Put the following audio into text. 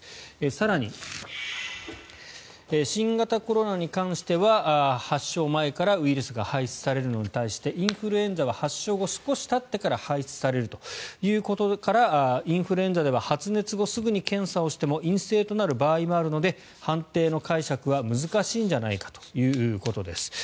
更に、新型コロナに関しては発症前からウイルスが排出されるのに対してインフルエンザは発症後少したってから排出されるということからインフルエンザでは発熱後すぐに検査をしても陰性となる場合があるので判定の解釈は難しいんじゃないかということです。